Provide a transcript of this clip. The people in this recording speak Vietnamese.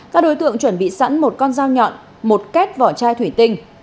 các đối tượng chuẩn bị sẵn một con dao nhọn một két vỏ chai thủy tinh